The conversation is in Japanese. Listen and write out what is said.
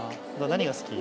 何が好き？